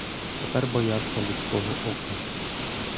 Тепер боявся людського ока.